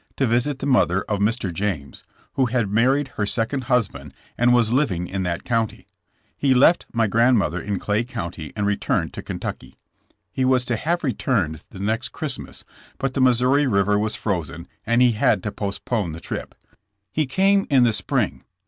to visit the mother of Mr. James, who had married her second husband and was living in that county. He left my grandmother in Clay County and returned to Kentucky. He was to have returned the next Christmas, but the Missouri river was frozen and he had to postpone the trip. He came in the spring.